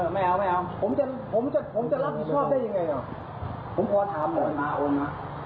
ลุงอย่าลุงขอแหละลุง